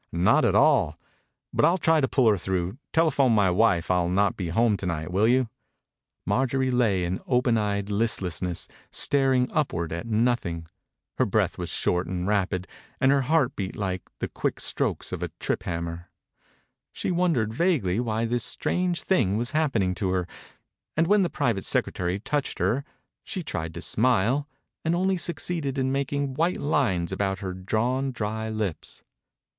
« Not at all. But I'll try to pull her through. Telephone my wife I'll not be home to night, will you ?" Marjorie lay in open eyed listlessness, staring upward at nothing. Her breath was short and rapid, and her heart beat 72 THE INCUBATOR BABY like the quick strokes of a trip hammer. She wondered vaguely why this strange thing was happen ing to her, and when the private secretary touched her she tried to smile, and only succeeded in making white lines about her drawn, dry lips.